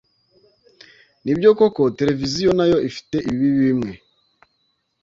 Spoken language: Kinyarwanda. Nibyo koko televiziyo nayo ifite ibibi bimwe